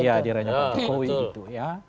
iya di daerahnya pak jokowi itu